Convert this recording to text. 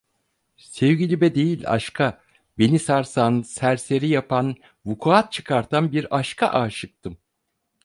Sevgilime değil, aşka, beni sarsan, serseri yapan, vukuat çıkartan bir aşka aşıktım.